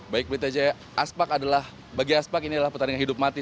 baik pelita jaya aspak adalah bagi aspak ini adalah pertandingan hidup mati